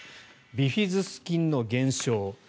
ビフィズス菌の減少